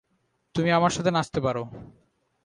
তুমি আমার সাথে নাচতে পারো।